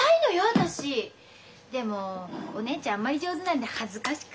私でもお姉ちゃんあんまり上手なんで恥ずかしくってさ。